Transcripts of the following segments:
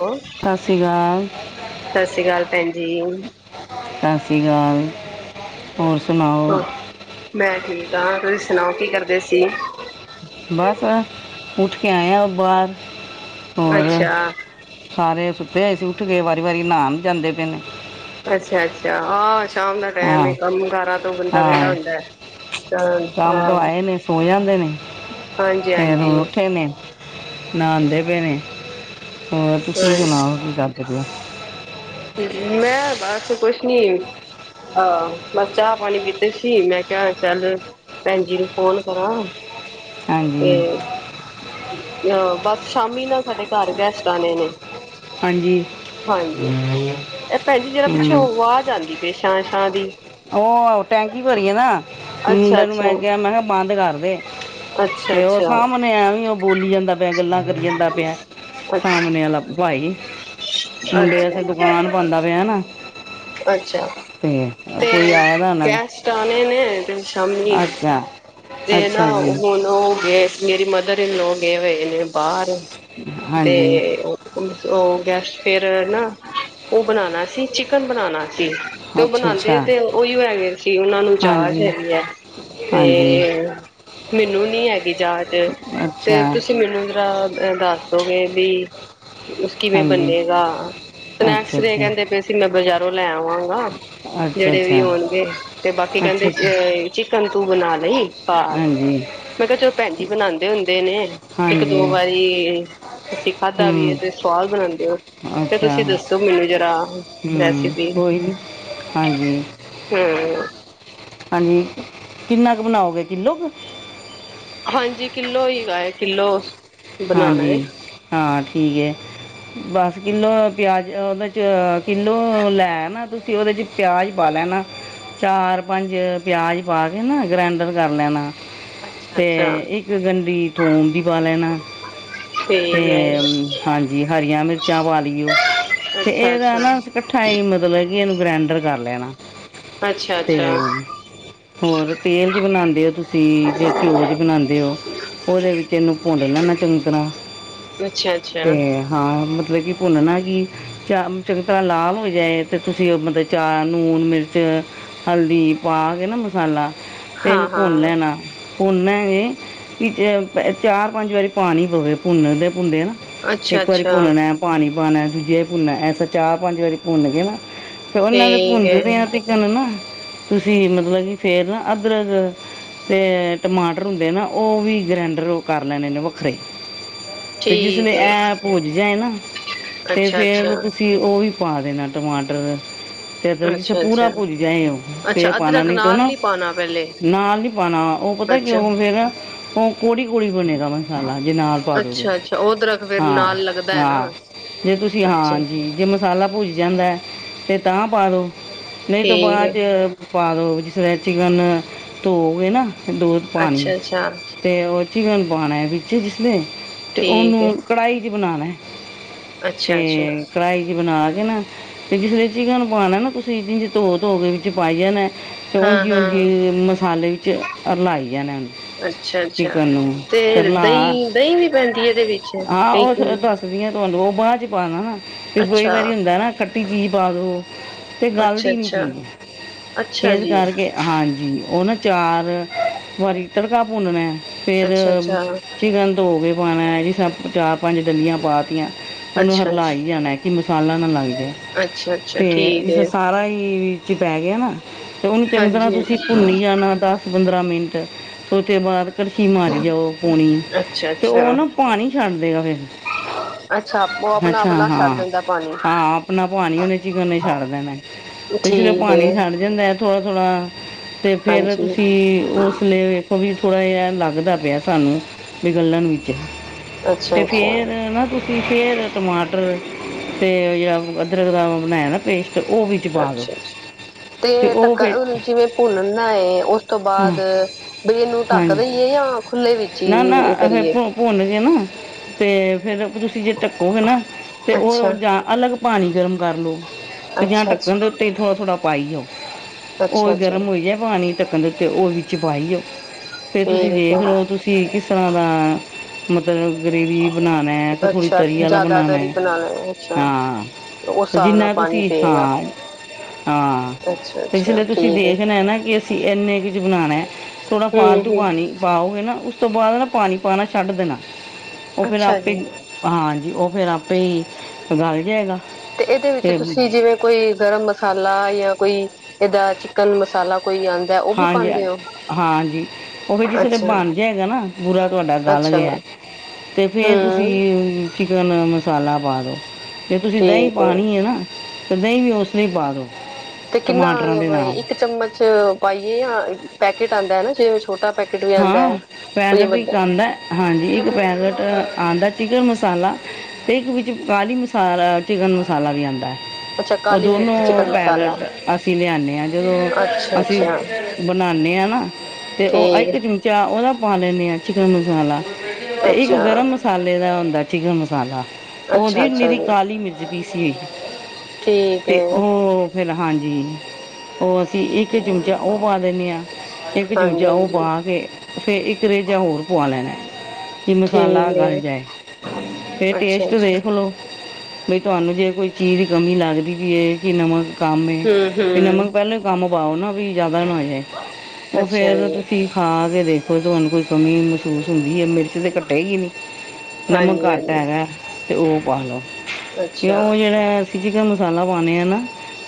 Hello- ਸੱਤ ਸ਼੍ਰੀ ਅਕਾਲ। ਸਤਿ ਸ਼੍ਰੀ ਅਕਾਲ, ਭੈਣ ਜੀ। ਸਤਿ ਸ਼੍ਰੀ ਅਕਾਲ, ਹੋਰ ਸੁਣਾਓ? ਮੈਂ ਠੀਕ ਹਾਂ, ਤੁਸੀਂ ਸੁਣਾਓ ਕੀ ਕਰਦੇ ਸੀ? ਬਸ, ਉੱਠ ਕੇ ਆਏਆ ਉਹ ਬਾਹਰ, ਹੋਰ ਅੱਛਾ ਸਾਰੇ ਸੁੱਤੇ ਹੋਏ ਸੀ। ਉੱਠ ਕੇ ਵਾਰੀ- ਵਾਰੀ, ਨਹਾਉਣ ਜਾਂਦੇ ਪਏ ਨੇ। ਅੱਛਾ- ਅੱਛਾ, ਆਹ ਸ਼ਾਮ ਦਾ ਟੈਮ ਏ, ਹਾਂ ਕੰਮ- ਕਾਰਾ ਤੋਂ ਬੰਦਾ ਵਿਹਲਾ ਹਾਂ ਹੁੰਦਾ। ਤਾਂ ਕੰਮ ਹਾਂ ਤੋਂ ਆਏ ਨੇ, ਸੌ ਜਾਂਦੇ ਨੇ, ਹਾਂਜੀ ਫੇਰ ਹਾਂਜੀ ਹੁਣ ਉੱਠੇ ਨੇ। ਨਹਾਉਂਦੇ ਪਏ ਨੇ। ਹੋਰ ਤੁਸੀਂ ਹਾਂਜੀ ਸੁਣਾਓ, ਕੀ ਕਰਦੇ ਪਏ ਹੋ? ਮੈਂ ਬਸ, ਕੁਛ ਨੀ। ਹਾਂ, ਬਸ ਚਾਹ ਪਾਣੀ ਪੀਤੇ ਸੀ। ਮੈਂ ਕਿਹਾ ਚੱਲ ਭੈਣ ਜੀ ਨੂੰ ਫੋਨ ਕਰਾਂ ਤੇ ਹਾਂਜੀ ਅਹ ਬਸ, ਸ਼ਾਮੀ ਨਾ ਸਾਡੇ ਘਰ ਗੈਸਟ ਆਣੇ ਨੇ। ਹਾਂਜੀ ਹਾਂਜੀ, ਇਹ ਭੈਣ ਜੀ ਜ਼ਰਾ ਪਿੱਛੋਂ ਹਮ, ਆਵਾਜ਼ ਆਉਂਦੀ ਪਈ ਹੈ, ਸ਼ਾਂ ਸ਼ਾਂ ਦੀ। ਉਹ ਟੈਂਕੀ ਭਰੀ ਆ ਨਾ, ਅੱਛਾ ਮੁੰਡੇ ਨੂੰ ਮੈਂ ਅੱਛਾ ਕਿਹਾ, ਮੈਂ ਕਿਹਾ ਬੰਦ ਕਰਦੇ। ਅੱਛਾ ਤੇ ਉਹ ਅੱਛਾ ਸਾਹਮਣੇ, ਐ ਵੀ ਉਹ ਬੋਲੀ ਜਾਂਦਾ ਪਿਆ, ਗੱਲਾਂ ਕਰੀ ਜਾਂਦਾ ਪਿਆ, ਅੱਛਾ ਸਾਹਮਣੇ ਵਾਲਾ ਭਾਈ। ਮੁੰਡੇ ਆਸਤੇ ਅੱਛਾ ਦੁਕਾਨ ਪਾਂਦਾ ਪਯਾ ਨਾ। ਅੱਛਾ! ਤੇ ਤੇ ਕੋਈ ਆਯਾ ਦਾ ਹੋਣਾ। [unintelligible] ਤੇ ਸ਼ਾਮੀ ਤੇ ਅੱਛਾ ਨਾ ਜੀ ਹੁਣ। ਉਹ ਗਏ, ਮੇਰੀ ਮਦਰ ਇਨ ਲੌ ਗਏ ਹੋਏ ਨੇ ਬਾਹਰ। ਤੇ ਹਾਂਜੀ ਓ ਓ ਉਹ ਗੈਸਟ ਫੇਰ ਨਾ ਉਹ ਬਣਾਣਾ ਸੀ, ਚਿਕਨ ਬਣਾਣਾ ਸੀ। ਤੇ ਉ ਅੱਛਾ ਬਣਾਦੇ ਅੱਛਾ ਤੇ ਔਇਯੌ ਹੈਗੇ ਸੀ, ਔਨਾ ਨੂੰ ਜਾਂਚ ਹਾਂਜੀ ਹੈਗੀ ਏ। ਹਾਂਜੀ! ਮੈਨੂੰ ਵੀ ਨੀ ਹੈਗੀ ਜਾਚ ਅੱਛਾ ਤੇ ਤੁਸੀ ਮੈਨੂੰ ਜਰਾ ਏਦਾਂ ਦੱਸੋਗੇ ਵੀ ਕਿ ਜੂਸ ਕਿਵੇਂ ਹਾਂਜੀ ਬੰਨੇਗਾ, ਅੱਛਾ ਸਨੈਕਸ ਜੇ ਕਹਿੰਦੇ ਪਏ ਕਿ ਮੈਂ ਬਜ਼ਾਰੋਂ ਲੈ ਵਾਂਗਾ ਅੱਛਾ ਅੱਛਾ ਜੇੜੇ ਵੀ ਅੱਛਾ ਹੋਣਗੇ ਤੇ ਬਾਕੀ ਅੱਛਾ ਕਹਿੰਦੇ ਅੱਛਾ ਏ ਈ ਚਿਕਨ ਤੂੰ ਬਣਾ ਲਈ। ਘਰ ਹਾਂਜੀ! ਮੈਂ ਕਿਹਾ ਚੋ ਪੈਣ ਜੀ ਬਣਾਦੇ ਹੁੰਦੇ ਨੇ ਇੱਕ- ਦੋ ਹਾਂਜੀ ਵਾਰੀ ਅਸੀ ਖਾਧਾ ਵੀ ਏ ਹੂੰ ਤੇ ਸਵਾਦ ਬਣਾਦੇ ਆਂ ਤੇ ਅੱਛਾ ਤੁਸੀ ਦੱਸੋ ਮੈਨੂੰ ਜਰਾ। ਹੂੰ! ਰੈਸਿਪੀ ਉਹੀ ਹਾਂਜੀ! ਹੂੰ! [unintelligible] ਹਾਂਜੀ! ਕਿੰਨਾ ਕੁ ਬਣਾਓਗੇ ਕਿੱਲੋ ਕੁ? ਹਾਂਜੀ! ਕਿੱਲੋ ਹੀ ਗਾ ਏ ਕਿੱਲੋ। ਬਣਾਉਣਾ ਹੈ ਹਾਂਜੀ! ਹਾਂ! ਠੀਕ ਏ! ਬਸ ਕਿੱਲੋ ਪਯਾਜ਼ ਉਦੇ 'ਚ ਕਿੱਲੋ ਲੈ ਨਾ ਤੁਸੀ ਉਦੇ 'ਚ। ਪਯਾਜ਼ ਪਾ ਲੈਣਾ, ਚਾਰ- ਪੰਜ ਪਯਾਜ਼ ਪਾ ਕੇ ਨਾ ਗਰੈਂਡਰ ਕਰ ਲੈਣਾ। ਅੱਛਾ ਤੇ ਅੱਛਾ ਇੱਕ ਗੰਡੀ ਥੋਮ ਦੀ ਪਾ ਲੈਣਾ। ਤੇ ਠੀਕ ਹੈ ਹਾਂਜੀ। ਹਰੀਯਾਂ ਮਿਰਚਾਂ ਪਾ ਲਈਓ ਤੇ ਅੱਛਾ ਏਦਾ ਅੱਛਾ ਨਾ ਕੱਠਾ ਈ ਮਤਲਬ ਜੀ ਏਨੂੰ ਗ੍ਰੈਂਡਰ ਕਰ ਲੈਣਾ। ਅੱਛਾ- ਤੇ ਅੱਛਾ! ਹੋਰ ਤੇਲ 'ਚ ਬਣਾਦੇ ਓ ਤੁਸੀਂ, ਜੇ ਘਓ 'ਚ ਬਣਾਦੇ ਓ। ਉਦੇ ਵਿੱਚ ਏਨੂੰ ਭੁੰਨ ਲੈਣਾ ਚੰਗੀ ਤਰਾਂ ਅੱਛਾ ਤੇ ਅੱਛਾ ਹਾਂ। ਮਤਲਬ ਕਿ ਭੁੰਨਣਾ ਹੀ ਚਾਮ ਚੰਗੀ ਤਰਾਂ ਲਾਲ ਹੋ ਜੇ ਤੇ ਤੁਸੀ ਮਤਲਬ ਚਾਰ ਨੂਣ ਮਿਰਚ ਹਲਦੀ ਪਾ ਕੇ ਨਾ ਮਸਾਲਾ ਤੇ ਹਾਂ ਏਨੂੰ ਭੁੰਨ ਹਾਂ ਲੈਣਾ। ਭੁੰਨਣਾ ਏਹ ਕਿ ਚਾਰ- ਪੰਜ ਵਾਰੀ ਪਾਣੀ ਪਵੇ। ਭੁੰਨ ਦੇ ਭੁੰਨਦੇ ਨਾ ਅੱਛਾ ਇੱਕ ਵਾਰੀ ਅੱਛਾ ਭੁੰਨਨੈ ਪਾਣੀ ਪਾਨੈ। ਦੂਜੀ ਵਾਰੀ ਭੁੰਨਨੈ ਐਸਾ ਚਾਰ- ਪੰਜ ਵਾਰੀ ਭੁੰਨ ਕੇ ਨਾ ਫੇਰ ਉਹਨਾਂ ਦੇ ਠੀਕ ਹੈ ਭੁੰਨਦੇ ਆ ਅਸੀ ਚੁਣਨਾ ਤੁਸੀ ਮਤਲਬ ਕਿ ਫੇਰ ਨਾ ਅਦਰਕ ਤੇ ਟਮਾਟਰ ਹੁੰਦੇ ਏ ਨਾ ਉਹ ਵੀ ਗਰੈਂਡਰ ਕਰ ਲੈਣੇ ਨੇ ਵੱਖਰੇ। ਤੇ ਜਿਸ ਠੀਕ ਲੇ ਹੈ ਏਹ ਪੁੱਜ ਜਾਏ ਨਾ ਤੇ ਅੱਛਾ ਅੱਛਾ ਫੇਰ ਤੁ ਤੇ ਉਹ ਵੀ ਪਾ ਦੇਨੈ ਟਮਾਟਰ ਤੇ ਫੇਰ ਜਿਸ ਏ ਅੱਛਾ ਪੂਰਾ ਅੱਛਾ ਭੁਜ ਜਾਏ ਉਹ ਫੇਰ ਅੱਛਾ ਪਾਣਾ ਅਦਰਕ ਨਹੀਂ ਤੇ ਨਾਲ ਨਾ ਨੀ ਪਾਉਣਾ ਪਹਿਲੇ ਨਾਲ ਨੀ ਪਾਣਾ, ਉਹ ਪਤਾ ਅੱਛਾ ਕਯੋ ਫੇਰ ਉਹ ਕੋੜੀ ਕੋੜੀ ਬਣੇਗਾ ਨ ਐਨਾ ਜੀ ਨਾਲ ਪਾ ਦੇ ਫੇਰ ਅੱਛਾ-ਅੱਛਾ ਉਹ ਦਰੱਖਤ ਫੇਰ ਹਾਂ- ਨਾਲ ਲੱਗਦਾ ਹੈ ਨਾ ਹਾਂ ਜੇ ਤੁਸੀ ਅੱਛਾ ਹਾਂਜੀ ਜੇ ਮਸਾਲਾ ਭੁੱਜ ਜਾਂਦੈ ਤੇ ਤਾਂ ਪਾ ਦਉ ਨਹੀਂ ਤੋ ਠੀਕ ਬਾਦ ਏ ਚ ਪਾ ਦੋ ਫੇਰ ਚਿਕਨ ਧੋੋ ਕੇ ਨਾ ਦੋ ਪਾਣੀ ਅੱਛਾ-ਅੱਛਾ ਤੇ ਉਹ ਚਿਕਨ ਪਾਨੈ ਵਿੱਚ ਜਿਸ ਲੇ ਤੇ ਠੀਕ ਉਨੂੰ ਏ ਕੜਾਈ ਚ ਬਣਾਨੈ ਤੇ ਅੱਛਾ-ਅੱਛਾ ਕੜਾਈ ਚ ਬਣਾ ਕੇ ਨਾ ਜਿਸਲੇ ਚਿਕਨ ਪਾਨਾ ਏ ਨਾ ਤੁਸੀ ੳੰਜੀ ਧੋ-ਧੋ ਕੇ ਵਿੱਚ ਪਾਈ ਜਾਨਾ ਤ ਹਾਂ-ਹਾਂ ਓੰਜੀ-ੳੰਜੀ ਮਸਾਲੇ ਵਿੱਚ ਰਲਾਈ ਜਾਨਾ ਚਿਕਨ ਨੂੰ ਤੇ ਰਲਾ ਦਂਈ, ਦਂਈ ਵੀ ਪੈਂਦੀ ਏ ਏਦੇ ਵਿੱਚ। ਹਾਂ ਕਈ ਉਹ ਸ- ਦੱਸਦੀ ਆ ਤਾਨੂੰ ੳ ਬਾਦ ਚ ਪਾਨਾ ਨਾ, ਤੇ ਕਈ ਅੱਛਾ ਵਾਰੀ ਹੁੰਦਾ ਨਾ ਖੱਟੀ ਚੀਜ ਪਾ ਦੋ ਤੇ ਗਲਦੀ ਨੀ ਅੱਛਾ-ਅੱਛਾ ਅੱਛਾ ਚੀਜ, ਅੱਛਾ ਏਸ ਜੀ ਕਰਕੇ ਹਾਂਜੀ, ਉਹ ਨਾ ਚਾਰ ਵਾਰੀ ਤੜਕਾ ਭੁੰਨਨਾ ਏ ਫੇਰ ਅੱਛਾ-ਅੱਛਾ ਚਿਕਨ ਧੋ ਕੇ ਪਾਨਾ, ਚਾਰ- ਪੰਜ ਡੱਲੀਆਂ ਪਾ ਤੀਆਂ ੳਨੂੰ ਅੱਛਾ ਹਰਲਾਈ ਜਾਨਾ ਕਿ ਮਸਾਲਾ ਨਾ ਲੱਗ ਜੇ ਅੱਛਾ-ਅੱਛਾ ਤੇ ਠੀਕ ਇਸਰਾ ਏ ਸਾਰਾ ਈ ਚ ਪੈ ਗਿਆ ਨਾ, ਤੇ ੳਨੂੰ ਚੰਗੀ ਤਰਾ ਹਾਂਜੀ ਤੁਸੀ ਭੁੰਨੀ ਜਾਨਾ ਤਾਂ ਪੰਦਰਾਂ ਮਿੰਟ, ੳਤੇ ਬਾਦ ਕੜਛੀ ਮਾਰੀ ਜਾਓ ਪੋਣੀ ਤੇ ਉਹ ਅੱਛਾ-ਅੱਛਾ ਨਾ ਪਾਨੀ ਛੱਡ ਦੇਗਾ ਫੇਰ ਅੱਛਾ ਅੱਛਾ। ਉਹ ਅੱਛਾ ਆਪਣਾ-ਆਪਣਾ ਛੱਡ ਹਾਂ ਦਿੰਦਾ ਪਾਣੀ ਹਾਂ ਅਪਨਾ ਪਾਨੀ ੳਨੇ ਚਿਕਨ ਨੇ ਛੱਡ ਦੇਨਾ ਤੇ ਜਿਵੇਂ ਠੀਕ ਏ ਪਾਨੀ ਛੱਡ ਜਾਂਦਾ ਥੋੜਾ-ਥੋੜਾ ਤੇ ਫੇਰ ਹਾਂਜੀ ਤੁਸੀ ੳਸਲੇ ਵੇਖੋ ਵੀ ਥੋੜਾ ਜੇਆ ਲੱਗਦਾ ਪੇਆ ਤਾਨੂੰ ਵੀ ਗੱਲਨ ਵਿੱਚ, ਅੱਛਾ-ਅੱਛਾ ਤੇ ਫੇਰ ਨਾਂ ਤੁ ਤੇਫੇਰ ਟਮਾਟਰ ਤੇ ਜੇੜਾ ਅਦਰਕ ਦਾ ੳ ਬਨਾਏਆ ਨਾ ਪੇਸਟ ੳ ਵੀ ਅੱਛਾ-ਅੱਛਾ। ਤੇ ਫਿਰ ਟੱਕਣ ਜਿਵੇਂ ਭੁਨਨਾ ਏ, ੳਸ ਤੋਂ ਹਾਂ ਬਾਦ ਵੀ ਏਨੂੰ ਢੱਕ ਹਾਂਜੀ ਦੇਈਏ। ਨਈ ੳ ਖੁੱਲੇ ਵਿੱਚ ਈ ਕਰੀਏ ਭੁਨ ਕੇ ਨਾ ਤੇ ਫੇਰ ਤੁਸੀ ਜੇ ਢੱਕੋਗੇ ਨਾ ਤੇ ੳਹ ਅੱਛਾ ਜਾ ਅਲੱਗ ਪਾਨੀ ਗਰਮ ਕਰ ਲੋ ਤੇ ਜਾਂ ਅੱਛਾ ਅੱਛਾ ਢੱਕਨ ਦੇ ਉੱਤੇ ਈ ਥੋੜਾ-ਥੋੜਾ ਪਾਈ ਜਾਓ। ੳਹ ਅੱਛਾ ਅੱਛਾ ਗਰਮ ਹੋਈ ਜਾਏ ਪਾਨੀ ਢੱਕਣ ਦੇ ਉਤੇ ੳਹ ਵਿੱਚ ਪਾਈ ਜਾਓ, ਫੇਰ ਤੁਸੀ ਠੀਕ ਦੇਖ ਹੈ ਲੋ ਤੁਸੀ ਕਿਸਰਾਂ ਦਾ ਮਤਲਬ ਗੇ੍ਵੀ ਬਨਾਨਾ ਏ, ਕੇ ਥੋੜੀ ਅੱਛਾ ਤਰੀ ਵਾਲਾ ਬਨਾਨਾ ਜ਼ਿਆਦਾਤਰ ਹੀ ਏ, ਬਣਾਣਾ ਹੈ, ਅੱਛਾ ਉਸ ਹਾਂ। ਹਿਸਾਬ ਨਾਲ ਜਿਨਾ ਪਾਣੀ ਤੁਸੀ ਪਏਗਾ ਹਾਂ ਅੱਛਾ ਹਾਂ ਅੱਛਾ ਜਿਲੇ ਤੁਸੀ ਠੀਕ ਹੈ ਵੇਖਨਾ ਏ ਨਾ ਕਿ ਏਨੇ ਕੇ ਚੀ ਬਨਾਨਾ, ਥੋੜਾ ਹੂੰ ਫਾਲਤੂ ਹੂੰ ਪਾਨੀ ਪਾਓਗੇ ਨਾ ਉਸ ਤੋਂ ਬਾਦ ਨਾ ਪਾਨੀ ਪਾਨਾ ਛੱਡ ਦੇਨਾ, ੳਹ ਫੇਰ ਅੱਛਾ ਆਪੇ ਜੀ ਹਾਂਜੀ, ੳ ਫੇਰ ਆਪੇ ਈ ਗਲ ਜੇਗਾ। ਤੇ ਏਦੇ ਵਿੱਚ ਤੁਸੀ ਜਿਵੇਂ ਕੋਈ ਗਰਮ ਮਸਾਲਾ ਯਾ ਕੋਈ ਏਦਾ ਚਿਕਨ ਮਸਾਲਾ ਕੋਈ ਆਂਦਾ ੳਹ ਵੀ ਹਾਂਜੀ ਪਾਂਦੇ ੳ? ਹਾਂਜੀ, ੳਵੀ ਜਿਸਲੇ ਬਨ ਜੇਗਾ ਨਾ ਪੂਰਾ ਤੁਹਾਡਾ ਗਲ ਅੱਛਾ ਗੇਆ ਤੇ ਫੇਰ ਤੁਸੀ ਹੂੰ ਚਿਕਨ ਮਸਾਲਾ ਪਾ ਦੋ। ਜੇ ਤੁਸੀ ਦਂਈ ਠੀਕ ਹੈ ਪਾਨੀ ਏ ਨਾ ਤੇ ਦਂਈ ਵੀ ੳਸਲੇ ਈ ਪਾ ਦੳ। ਤੇ ਕਿੰਨਾ ਬਈ ਇੱਕ ਚਮਚ ਪਾਈਏ ਤਾਂ ਪੈਕੇਟ ਆਂਦਾ ਏ ਨਾ, ਜਿਵੇ ਛੋਟਾ ਪੈਕੇਟ ਵੀ ਆਂਦਾ ਹੈ। ਹਾਂ ਇਹ ਪੈਕੇਟ ਵੱਡਾ ਇੱਕ ਆਂਦਾ ਹਾਂਜੀ, ਇੱਕ ਪੈਕੇਟ ਆਂਦਾ ਚਿਕਨ ਮਸਾਲਾ ਤੇ ਇੱਕ ਵਿੱਚ ਕਾਲੀ ਮਸਾਲਾ, ਚਿਕਨ ਮਸਾਲਾ ਵੀ ਆਂਦਾ। ਅੱਛਾ ੳ ਕਾਲੀ ਦੋਨੋ ਮਿਰਚ ਚਿਕਨ ਮਸਾਲਾ ਪੈਕਟ ਅਸੀ ਲਿਆਨੇ ਆ ਜਦੋਂ ਅਸੀ ਅੱਛਾ-ਅੱਛਾ ਬਨਾਨੇ ਆ ਨਾ ਤੇ ੳਹ ਇੱਕ ਠੀਕ ਚਿਮਚਾ ੳਦਾ ਪਾ ਲੈਂਨੇ ਆ ਚਿਕਨ ਮਸਾਲਾ ਤੇ ਇੱਕ ਗਰਮ ਮਸਾਲੇ ਦਾ ਹੁੰਦਾ ਚਿਕਨ ਮਸਾਲਾ, ੳ ਹੁੰਦੀ ਅੱਛਾ-ਅੱਛਾ-ਅੱਛਾ ਪੀਰੀ ਜੀ ਕਾਲੀ ਮਿਰਚ ਪੀਸੀ। ਠੀਕ ਤੇ ਹੈ ੳਹ ਫੇਰ, ਹਾਂਜੀ। ੳਹ ਅਸੀ ਇੱਕ ਚਿਮਚਾ ੳਹ ਪਾ ਦੇਨੇ ਆ। ਇੱਕ ਚੁਮਚਾ ੳਹ ਹਾਂਜੀ-ਹਾਂਜੀ। ਪਾ ਤੇ, ਫੇਰ ਏਕ ਰੇਜਾ ਹੋਰ ਪੁਆ ਲੈਨਾ। ਕਿ ਮਸਾਲਾ ਠੀਕ ਹੈ ਗਲ ਜਾਏ। ਫੇਰ ਟੇਸਟ ਅੱਛਾ-ਅੱਛਾ ਦੇਖ ਲੋੋ। ਤੁਹਾਨੂੰ ਜੇ ਕੋਈ ਚੀਜ਼ ਦੀ ਕਮੀ ਲੱਗਦੀ ਵੀ ਐ। ਕਿ ਨਮਕ ਕੰਮ ਇਹ ਹੂੰ-ਹੂੰ ਨਮਕ ਪਹਿਲਾਂ ਕੰਮ ਪਾਓ ਨਾ ਵੀ ਜ਼ਿਆਦਾ ਨਾ ਹੋ ਜਾਏ। ਉਹ ਅੱਛਾ ਫੇਰ ਜੀ। ਤੁਸੀਂ- ਖਾ ਕੇ ਦੇਖੋ ਤੁਹਾਨੂੰ ਕੋਈ ਕਮੀ ਮਹਿਸੂਸ ਹੁੰਦੀ ਐ? ਮਿਰਚ-। [unintelligible] ਨਮਕ ਘੱਟ ਹਾਂਜੀ-ਹਾਂਜੀ ਹੈਗਾ ਤੇ ਉਹ ਪਾ ਲਓ। ਤੇ ਅੱਛਾ ਉਹ ਜਿਹੜਾ, ਅਸੀਂ ਚਿਕਨ ਮਸਾਲਾ ਪਾਉਂਣੇ ਆਂ ਨਾ!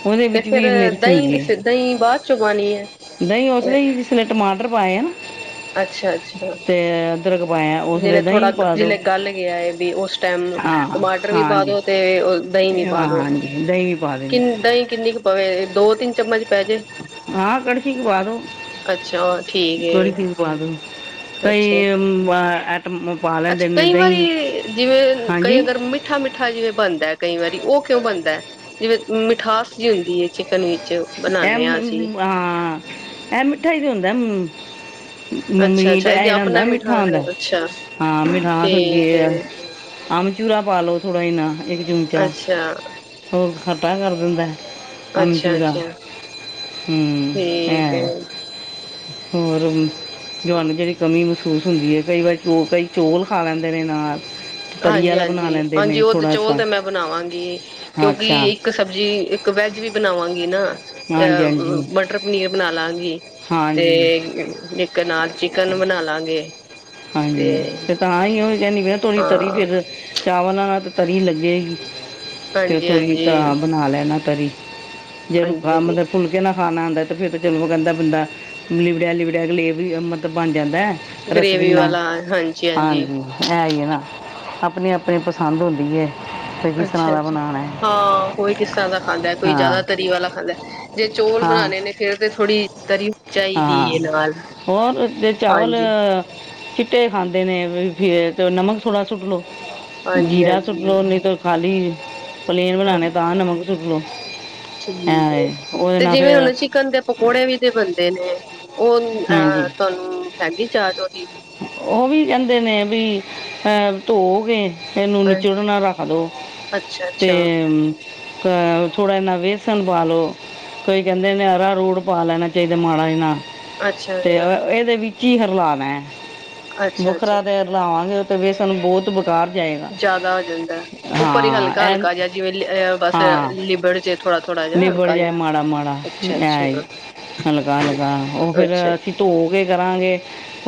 ਉਹਦੇ ਤੇ ਵਿੱਚ ਫੇਰ ਵੀ ਮਿਰਚ ਦਹੀਂ ਹੁੰਦੀ ਐ। ਕਿਸ ਦਹੀਂ ਬਾਅਦ ਚੋਂ ਪਾਣੀ ਹੈ। ਦਹੀ ਨਹੀਂ, ਉਸਦੇ ਹੀ- ਫਿਰ ਟਮਾਟਰ ਪਾਏ ਆ ਨਾ। ਅੱਛਾ ਅੱਛਾ। [inaudible] ਉਸ ਵੇਲੇ ਜਿਵੇਂ ਦਹੀਂ ਥੋੜਾ, ਵੀ ਪਾ ਦਿਓ ਜਿਲੇ ਗੱਲ ਗਿਆ ਐ ਬ ਉਸ ਟਾਈਮ ਹਾਂ ਟਮਾਟਰ ਵੀ ਪਾ ਹਾਂਜੀ ਦਵੋ। ਤੇ ਉਹ ਦਹੀਂ ਨੀ ਇਹ ਪਾ ਦੋ। ਹਾਂਜੀ ਦਹੀਂ ਪਾ ਦੇਣੀ ਕਿੰਨੀ ਦਈ ਕਿੰਨੀ ਕੁ ਪਵੇ? ਦੋ ਤਿੰਨ ਚਮਚ ਪੈ ਜੇ ਹਾਂ ਕੜਛੀ ਕ ਪਾਂ ਦੋ। ਅੱਛਾ ਠੀਕ ਇੱਕ ਵਾਰੀ ਫਿਰ ਹੈ ਪਾ ਦੋ ਅੱਛਾ [unintelligible] [inaudible] ਅੱਛਾ। ਕਈ ਵਾਰੀ ਜਿਵੇਂ ਹਾਂਜੀ ਕਈ ਅਗਰ ਮਿੱ ਮਿੱਠਾ ਮਿੱਠਾ ਜਿਵੇਂ ਬਣਦਾ ਕਈ ਵਾਰੀ। ਉਹ ਕਿਉਂ ਬਣਦਾ ਐ? ਜਿਵੇਂ ਮਿਠਾਸ ਜਿ ਹੁੰਦੀ ਐ ਚਿਕਨ ਵਿੱਚ। ਐ ਬਣਾਉਂਦੇ ਹਾਂ ਅਸੀਂ ਮਮ ਹਾਂ ਐ ਮਿੱਠਾ ਈ ਹੁੰਦਾ ਹੂੰ। ਮ ਅੱਛਾ ਮੀਟ ਅੱਛਾ ਇਹ ਇਹਦੇ ਜੇੜਾ ਹੁੰਦਾ ਆਪਣਾ ਮਿੱਠਾ ਮਿਠਾ ਈ ਹੁੰਦਾ ਅੱਛਾ ਹਾਂ ਮਿਠਾਸ ਹੋਂਦੀ ਠੀਕ ਐ। ਹੈ ਅੰਮ ਚੂਰਾ ਪਾ ਲਓ ਥੋੜ੍ਹਾ ਜਨਾ ਇੱਕ ਚਮਚਾ। ਅੱਛਾ ਸੋ ਖੱਟਾ ਕਰ ਦਿੰਦਾ। ਅੱਛਾ ਅੱਛਾ। ਹੂੰ ਠੀਕ ਹਾਂ ਹੈ ਹੋਰ ਵੀ ਜ ਹਾਨੂੰ ਜਿਹੜੀ ਕਮੀ ਮਹਿਸੂਸ ਹੁੰਦੀ ਐ। ਕਈ ਵਾਰ, ਕਈ ਚੌਲ ਖਾ ਲੈਂਦੇ ਨੇ ਨਾਲ। ਤਰੀ ਹਾਂਜੀ ਵਾਲਾ ਬਣਾ ਹਾਂਜੀ ਲੈਂਦੇ ਨੇ ਹਾਂਜੀ ਉਹ ਤੇ ਥੋੜਾ ਚੋਲ ਸਾ ਤੇ ਮੈਂ ਬਣਾਵਾਂਗੀ। ਕਿਉਂਕਿ ਅੱਛਾ ਇੱਕ ਸਬਜ਼ੀ ਇੱਕ ਵੈਜ ਵੀ ਬਣਾਵਾਂਗੀ ਨਾ ਹਾਂਜੀ ਅ ਹਾਂਜੀ ਮਟਰ ਪਨੀਰ ਬਣਾ ਲਾਂਗੀ। ਤੇ ਹਾਂਜੀ ਇੱਕ ਨਾਲ ਚਿਕਨ ਬਣਾ ਲਾਂਗੇ। ਹਾਂਜੀ ਤੇ ਤਾਂ ਈ ਉਹ ਕਹਿੰਦੀ ਵੀ ਤੋ ਤਰੀ ਹਾਂ ਫਿਰ ਚਾਵਲਾਂ ਨਾਲ ਤਾਂ ਤਰੀ ਲੱਗੇਗੀ। ਫੇ ਥੋੜ੍ਹੀ ਹਾਂਜੀ-ਹਾਂਜੀ, ਬਣਾ ਲੈਣਾ ਤਰੀ। ਜੇ ਰੁੱਖਾ, ਹਾਂਜੀ-ਹਾਂਜੀ ਮਤਲਬ ਫੁਲਕੇ ਨਾਲ ਖਾਣਾ ਹੁੰਂਦਾ ਤੇ ਫੇਰ ਤੇ ਚਲੋ ਕਹਿੰਦਾ ਬੰਦਾ। ਲਿਵੜਿਆ ਲਿਵੜਿਆ ਲੇ ਵੀ ਮਤਲਬ ਬਣ ਜਾਂਦਾ ਐ। ਓ ਈ ਗ੍ਰੇਵੀ ਨਾ ਵਾਲਾ ਹਾਂਜੀ-ਹਾਂਜੀ। ਹਾਂਜੀ ਐ ਈ ਨਾ ਆਪਣੀ ਆਪਣੀ ਪਸੰਦ ਹੁੰਦੀ ਐ। ਜਿਸ ਤਰ੍ਹਾਂ ਦਾ ਅੱਛਾ-ਅੱਛਾ, ਬਣਾਣਾ। ਹਾਂ ਕੋਈ ਕਿਸ ਤਰ੍ਹਾਂ ਦਾ ਖਾਂਦਾ ਕੋਈ ਜ਼ਿਆਦਾ ਹਾਂ ਤਰੀ ਵਾਲਾ ਖਾਂਦਾ। ਜੇ ਚੋਲ ਹਾਂ ਬਣਾਣੇ ਨੇ ਫੇਰ ਤੇ ਥੋੜ੍ਹੀ ਤਰੀ ਚਾਹੀਦੀ ਹਾਂ ਏ ਨਾਲ ਹੋਰ ਜ ਚਾਵਲ ਹਾਂਜੀ। ਚਿੱਟੇ ਖਾਂਦੇ ਨੇ ਫਿਰ ਨਮਕ ਥੋੜ੍ਹਾ ਸੁੱਟ ਲਓ। ਹਾਂਜੀ-ਹਾਂਜੀ, ਜੀਰਾ ਸੁੱਟ ਲ ਹਾਂਜੀ। ਲੋ ਨਹੀਂ, ਤੋਂ ਖਾਲੀ ਪਲੇਨ ਹਾਂਜੀ ਬਣਾਉਣੇ ਤਾਂ ਨਮਕ ਸੁੱਟ ਲ ਲੋ। ਠੀਕ ਏ ਤੇ ਜਿਵੇਂ ਹੁਣ ਚਿਕਨ ਦੇ ਪਕੌੜੇ ਵੀ ਜ ਬਣਦੇ ਨੇ ਉਹ ਹਾਂਜੀ ਅਹ ਤੁਹਾਨੂੰ ਹੈਗੀ ਜਾਚ ਉਹਦੀ? ਉਹ ਵੀ ਕਹਿੰਦੇ ਨੇ ਵੀ ਧੋਕੇ ਇਹਨੂੰ ਹਾਂਜੀ ਨਿਚੜ ਨਾ ਰੱਖ ਦੋ ਅੱਛਾ ਤੇ ਅੱਛਾ ਕ ਥੋੜਾ ਜਿਨਾ ਵੇਸਣ ਪਾਲੋ। ਕੋਈ ਕੈਂਦੇ ਨੇ ਅਰਾਰੋਟ ਪਾ ਲੈਣਾ ਚਾਈਦਾ ਮਾੜਾ ਜਿੰਨਾ ਅੱਛਾ ਤੇ ਅ ਏਦੇ ਵਿੱਚ ਹੀ ਹਰਲਾਨਾ ਐ ਅੱਛਾ ਅੱਛਾ ਵਖਰਾ ਤੇ ਰਲਾਵਾਂਗੇ ਤੇ ਵੇਸਣ ਬੋਤ ਬੇਕਾਰ ਜਾਏਗਾ ਜ਼ਾਦਾ ਹੋ ਜਾਂਦਾ ਉੱਪਰ ਈ ਹਾਂ ਹਲਕਾ- ਐ ਹਲਕਾ ਜੇਆ ਜਿਵੇਂ ਬਸ ਲਿਬੜ ਜੇ ਥੋੜਾ ਥੋੜਾ ਜਿਹਾ ਲਿਬੜ ਹਲਕਾ ਜਾਏ ਜਿਹਾ ਮਾੜਾ-ਮਾੜਾ ਅੱਛਾ ਅੱਛਾ ਐ ਈ ਹਲਕਾ ਹਲਕਾ ਓ ਫੇਰ ਅੱਛਾ ਅਸੀ ਧੋ ਕੇ ਕਰਾਂਗੇ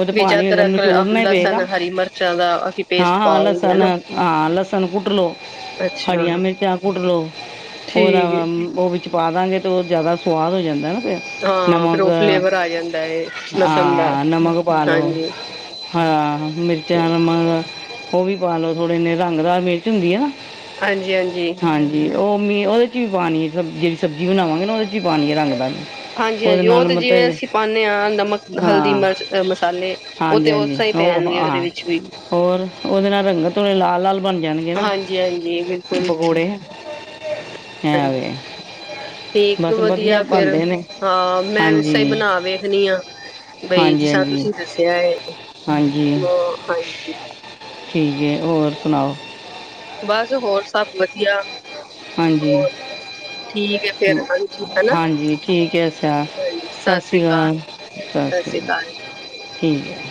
ਓ ਤੇ ਵਿੱਚ ਪਾਣੀ ਹੈਗਾ ਅਦਰਕ ਨਚੋੜਨਾ ਈ ਲਸਣ ਪਏਗਾ ਹਰੀ ਮਿਰਚਾਂ ਦਾ ਅਸੀਂ ਪੇਸਟ ਹਾਂ-ਹਾਂ ਪਾ ਦੇਈਏ ਲਸਣ ਹਨਾ ਹਾਂ ਲਸਣ ਕੁੱਟ ਲਓ, ਅੱਛਾ ਹਰੀਆਂ ਮਿਰਚਾਂ ਕੁੱਟ ਲੋ ਓਦਾ ਠੀਕ ਏ ਓ ਵਿੱਚ ਪਾ ਦਾਂਗੇ ਤੇ ਓ ਜ਼ਾਦਾ ਸਵਾਦ ਹੋ ਜਾਂਦਾ ਐ ਨਾ ਫੇਰ ਹਾਂ ਫਿਰ ਨਮਕ ਉਹ ਫਲੇਵਰ ਆ ਜਾਂਦਾ ਏ ਲਸਣ ਦਾ ਆ, ਨਮਕ ਪਾ ਲੋ ਹਾਂਜੀ ਹਾਂ, ਮਿਰਚਾਂ ਔਰ ਮਗ ਓ ਵੀ ਪਾ ਲਓ ਥੋੜ੍ਹੇ ਏਨੇ ਰੰਗਦਾਰ ਮਿਰਚ ਹੁੰਦੀ ਐ ਨਾ ਹਾਂਜੀ-ਹਾਂਜੀ ਹਾਂਜੀ ਓ ਮਿ ਓਦੇ ਚ ਵੀ ਪਾਣੀ ਐ ਜੇੜੀ ਸਬਜ਼ੀ ਬਣਾਵਾਂਗੇ ਨਾ ਓਦੇ ਚ ਵੀ ਪਾਣੀ ਐ ਰੰਗਦਾਰ ਉਹਦੇ ਹਾਂਜੀ-ਹਾਂਜੀ ਓ ਨਾਲ ਤੇ ਜਿਵੇਂ ਅਸੀਂ ਮਤਲਬ ਪਾਨੇ ਆ ਨਮਕ, ਹਲਦੀ, ਹਾਂ ਮਰਚ, ਮਸਾਲੇ ਓ ਹਾਂਜੀ ਤੇ ਹਾਂਜੀ ਓਸਾ ਈ ਉਹ ਪੈਣਗੇ, ਓਦੇ ਹਾਂ ਵਿੱਚ ਵੀ ਹੋਰ ਓਦੇ ਨਾਲ ਰੰਗਤ ਓਨੇ ਲਾਲ-ਲਾਲ ਬਣ ਜਾਣਗੇ ਨਾ ਹਾਂਜੀ-ਹਾਂਜੀ ਬਿਲਕੁਲ ਪਕੌੜੇ, ਹੈ ਹਾਂਜੀ ਓਏ ਠੀਕ ਵਧੀਆ ਫੇਰ ਹਾਂ ਮੈਂ ਐਸਾ ਈ ਹਾਂਜੀ ਬਣਾ ਵੇਖਣੀ ਆ। ਦਈ ਹਾਂਜੀ ਚ ਹਾਂਜੀ ਤੁਸੀਂ ਦੱਸਿਆ ਐ ਹਾਂਜੀ ਅ ਹਾਂਜੀ ਠੀਕ ਐ, ਹੋਰ ਸੁਣਾਓ। ਬਸ ਹੋਰ ਸਬ ਵਦੀਆ। ਹਾਂਜੀ। ਠੀਕ ਹੈ ਫੇਰ ਹਾਂਜੀ ਹਨਾ ਹਾਂਜੀ ਠੀਕ ਐ ਛਾ ਸਸ ਸੀ ਕਾਲ। ਸਸ ਸ੍ਰੀ ਕਾਲ। ਠੀਕ ਐ।